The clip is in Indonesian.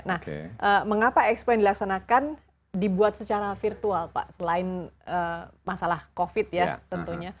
nah mengapa expo yang dilaksanakan dibuat secara virtual pak selain masalah covid ya tentunya